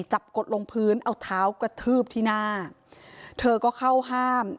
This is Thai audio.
กดลงพื้นเอาเท้ากระทืบที่หน้าเธอก็เข้าห้าม